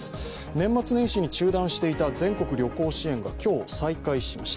年末年始に中断していた、全国旅行支援が今日、再開しました。